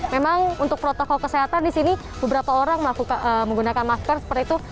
memang untuk protokol kesehatan di sini beberapa orang menggunakan masker seperti itu